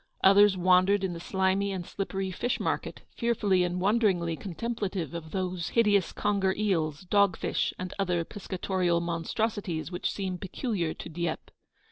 Others wandered in the slimy and slippery fish market, fearfully and wonderingly contemplative of those hideous conger eels, dog fish, and other piscatorial monstrosities which seem peculiar to Dieppe.